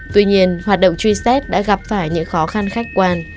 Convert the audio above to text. tuy nhiên hoạt động truy xét đã gặp phải những khó khăn khách quan